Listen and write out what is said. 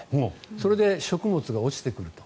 それで、食物が落ちてくると。